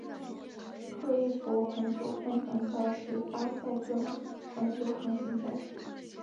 克利伯环球帆船赛是八赛段环球航行赛事。